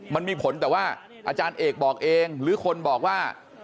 มันมีผลแต่ว่าอาจารย์เอกบอกเองหรือคนบอกว่า